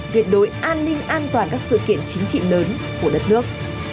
tuyệt đối an ninh an toàn các sự kiện chính trị lớn của đất nước